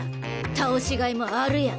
倒しがいもあるやん。